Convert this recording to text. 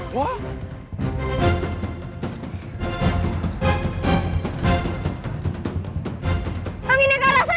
kami negara sana